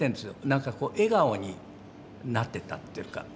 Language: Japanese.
なんかこう笑顔になってたっていうか。